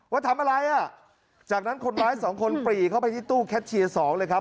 ว่าทำอะไรอ่ะจากนั้นคนร้ายสองคนปรีเข้าไปที่ตู้แคชเชียร์๒เลยครับ